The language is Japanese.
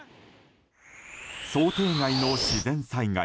想定外の自然災害